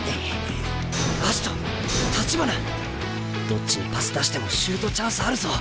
どっちにパス出してもシュートチャンスあるぞ！